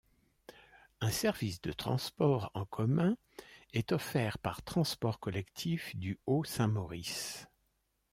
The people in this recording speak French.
Un service de transport en commun est offert par transport collectif du Haut-Saint-Maurice.